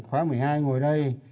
khóa một mươi hai ngồi đây